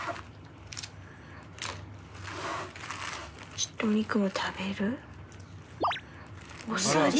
ちょっとお肉も食べる？